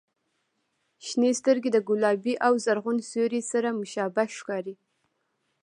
• شنې سترګې د ګلابي او زرغون سیوري سره مشابه ښکاري.